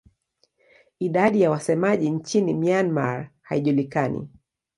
Idadi ya wasemaji nchini Myanmar haijulikani.